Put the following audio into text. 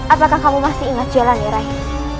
apakah kamu masih ingat jalan nih rai